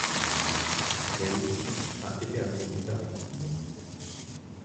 Mais aussi à Epernay et Paris.